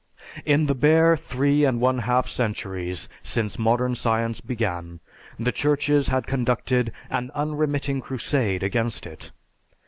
_In the bare three and one half centuries since modern science began, the churches had conducted an unremitting crusade against it.